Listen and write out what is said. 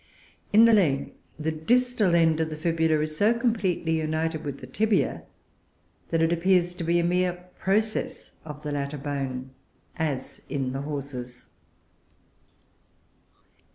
In the leg, the distal end of the fibula is so completely united with the tibia that it appears to be a mere process of the latter bone, as in the Horses.